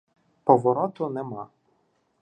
Повороту нема.